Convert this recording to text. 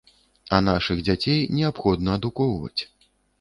А нашых дзяцей неабходна адукоўваць.